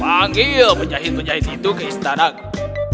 manggil penjahit penjahit itu ke istanaku